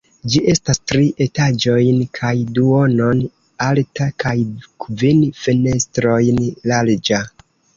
Ĝi estas tri etaĝojn kaj duonon alta, kaj kvin fenestrojn larĝa.